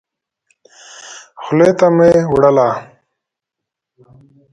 خولې ته مي وړله .